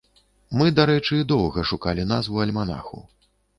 Мы, дарэчы, доўга шукалі назву альманаху.